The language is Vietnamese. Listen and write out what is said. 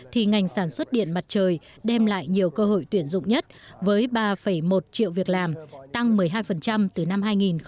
thì ngành sản xuất điện mặt trời đem lại nhiều cơ hội tuyển dụng nhất với ba một triệu việc làm tăng một mươi hai từ năm hai nghìn một mươi